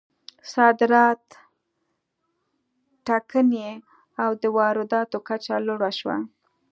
صادرات ټکني او د وارداتو کچه لوړه شوه.